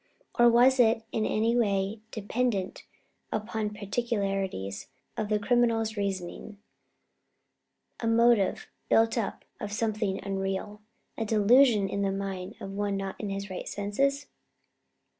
Or was it in any way dependent upon peculiarities of the criminal's reasoning a motive built up of something unreal, a delusion in the mind of one not in his right senses?"